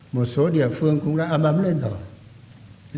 một số địa phương cũng đã ấm ấm lên rồi